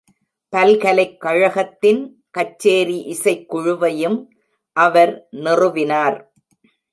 பல்கலைக்கழகத்தின் கச்சேரி இசைக்குழுவையும் அவர் நிறுவினார்.